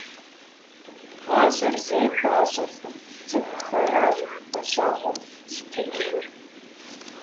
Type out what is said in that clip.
ГъащӀэр зэи пӀащӀэркъым, цӀыхухэращ пӀащӀэгъуэр зытелъыр.